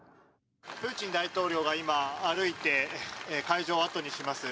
プーチン大統領が今歩いて会場を後にします。